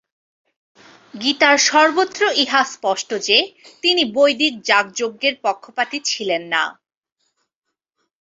গীতার সর্বত্র ইহা স্পষ্ট যে, তিনি বৈদিক যাগযজ্ঞের পক্ষপাতী ছিলেন না।